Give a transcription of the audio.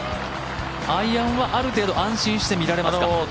アイアンはある程度安心して見られますか。